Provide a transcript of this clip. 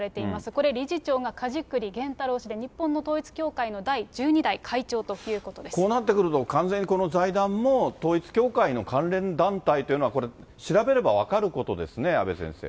これ、理事長が梶栗玄太郎氏で、日本の統一教会の第１２代会長とこうなってくると、完全にこの財団も統一教会の関連団体というのは、これ、調べれば分かることですね、阿部先生。